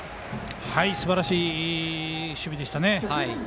すばらしい守備でしたね。